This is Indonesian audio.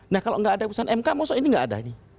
nah kalau nggak ada putusan mk maksudnya ini nggak ada ini